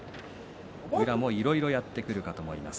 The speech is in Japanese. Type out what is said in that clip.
宇良もいろいろやってくるかと思います。